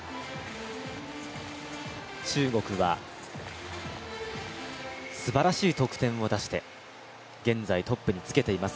中国はすばらしい得点を出して現在トップにつけています。